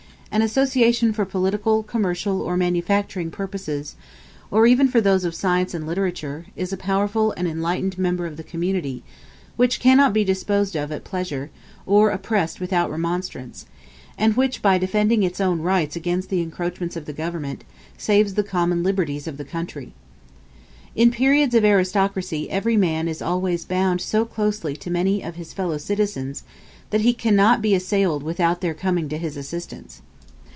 An association for political, commercial, or manufacturing purposes, or even for those of science and literature, is a powerful and enlightened member of the community, which cannot be disposed of at pleasure, or oppressed without remonstrance; and which, by defending its own rights against the encroachments of the government, saves the common liberties of the country. In periods of aristocracy every man is always bound so closely to many of his fellow citizens, that he cannot be assailed without their coming to his assistance.